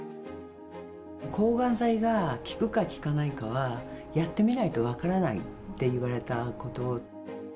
抗がん剤が効くか効かないかは、やってみないと分からないって言われたこと。